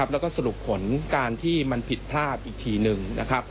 แล้วก็สรุปผลการที่มันผิดพลาดอีกทีหนึ่งนะครับ